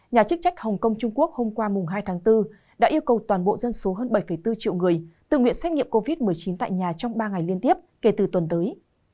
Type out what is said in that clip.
nhà chức trách hồng kông trung quốc hôm qua hai tháng bốn đã yêu cầu toàn bộ dân số hơn bảy bốn triệu người tự nguyện xét nghiệm covid một mươi chín tại nhà trong ba ngày liên tiếp kể từ tuần tới